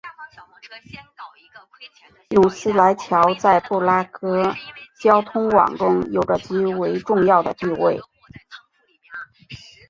努斯莱桥在布拉格交通网中有着极为重要的地位。